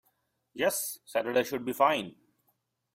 Yes, Saturday should be fine.